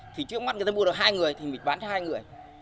thì trước mắt người ta mua được hai người thì mình bán hai người